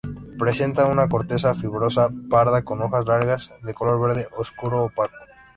Presenta una corteza fibrosa, parda, con hojas largas de color verde oscuro opaco.